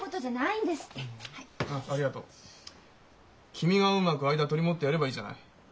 君がうまく間を取り持ってやればいいじゃない。